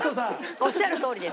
おっしゃるとおりです。